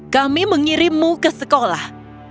kami mengirimmu ke sekolah